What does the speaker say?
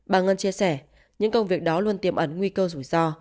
bà ngân chia sẻ những công việc đó luôn tiềm ẩn nguy cơ rủi ro